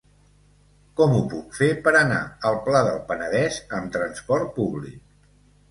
Com ho puc fer per anar al Pla del Penedès amb trasport públic?